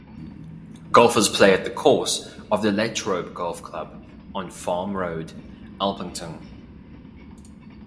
Golfers play at the course of the Latrobe Golf Club on Farm Road, Alphington.